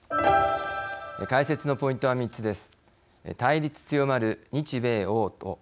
解説のポイントは３つです。